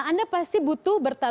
anda pasti butuh bertahan